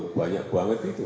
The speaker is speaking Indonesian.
banyak banget itu